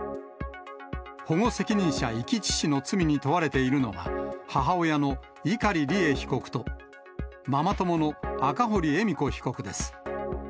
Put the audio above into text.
保護責任者遺棄致死の罪に問われているのは、母親の碇利恵被告と、ママ友の赤堀恵美子被告です。